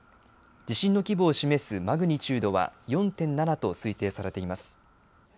地震の規模を示すマグニチュードは４．７と推定されています。